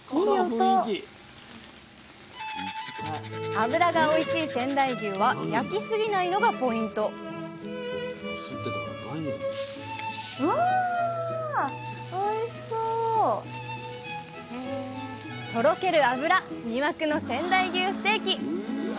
脂がおいしい仙台牛は焼き過ぎないのがポイントとろける脂魅惑の仙台牛ステーキ。